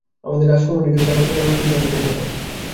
আমাদের রাজকুমারীকে স্বাগত জানানোর জন্য তৈরি হও।